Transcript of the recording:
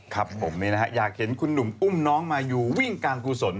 ครับผมนี่นะฮะอยากเห็นคุณหนุ่มอุ้มน้องมายูวิ่งการกุศล